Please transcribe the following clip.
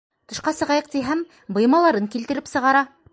Тышҡа сығайыҡ тиһәм, быймаларын килтереп сығара.